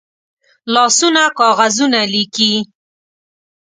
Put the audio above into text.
لاسونه کاغذونه لیکي